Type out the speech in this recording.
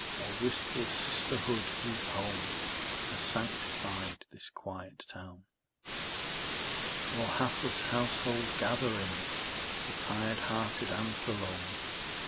Oh, wistful sisterhood, whose home Has sanctified this quiet town! Oh, hapless household, gather in The tired hearted and the lone!